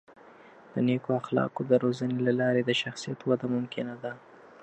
د نیکو اخلاقو د روزنې له لارې د شخصیت وده ممکنه ده.